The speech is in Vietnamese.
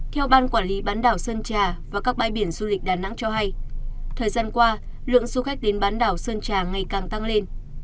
theo ban quản lý bán đảo sơn trà và các bãi biển du lịch đà nẵng cho hay thời gian qua lượng du khách đến bán đảo sơn trà ngày càng tăng lên